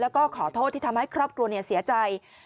แล้วก็ขอโทษที่ทำให้ครอบครัวเสียใจ